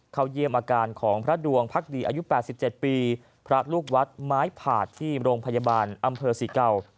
เข้าเยี่ยมอาการของพระดวงพักดีอายุ๘๗ปีพระลูกวัดไม้ผาดที่โรงพยาบาลอำเภอศรีเก่า